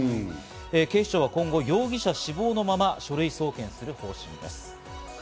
警視庁は今後、容疑者死亡のまま書類送検する方針です。